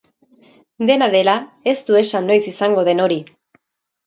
Dena dela, ez du esan noiz izango den hori.